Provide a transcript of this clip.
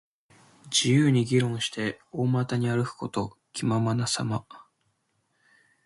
自由に議論して、大股に歩くこと。気ままなさま。